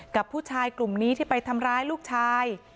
กับผู้ชายกลุ่มนี้ที่ไปทำร้ายลูกชาย